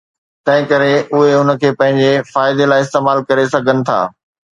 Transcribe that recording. تنهن ڪري اهي ان کي پنهنجي فائدي لاء استعمال ڪري سگهن ٿا.